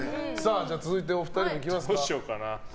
続いてお二人いきますか。